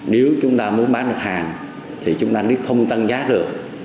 nếu chúng ta muốn bán được hàng thì chúng ta mới không tăng giá được